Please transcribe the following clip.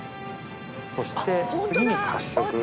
そして次に褐色。